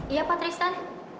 iya pak tristan